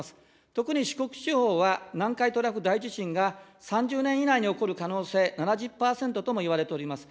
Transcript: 特に四国地方は、南海トラフ大地震が３０年以内に起こる可能性７０％ともいわれております。